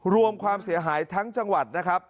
รวมความเสียหายทั้งจังหวัดนะครับ